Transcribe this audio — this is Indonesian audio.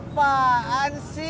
ya makasih ya